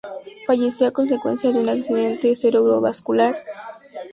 Falleció a consecuencia de un Accidente cerebrovascular.